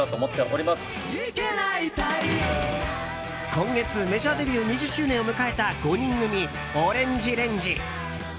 今月メジャーデビュー２０周年を迎えた５人組ＯＲＡＮＧＥＲＡＮＧＥ。